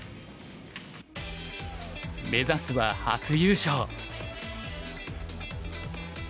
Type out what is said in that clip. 目指すは初優勝。